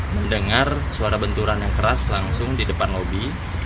mendengar suara benturan yang keras langsung di depan lobi